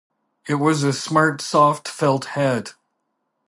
It was a smart soft felt hat.